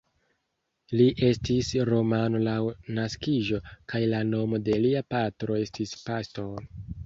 Li estis romano laŭ naskiĝo, kaj la nomo de lia patro estis Pastor.